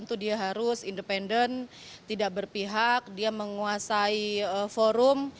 terus independen tidak berpihak dia menguasai forum